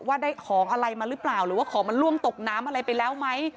ว่าได้ของอะไรมาหรือเปล่าหรือว่าของมันล่วงตกน้ำอะไรไปแล้วไหม